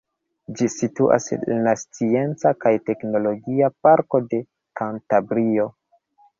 Ĝi situas en la Scienca kaj Teknologia Parko de Kantabrio.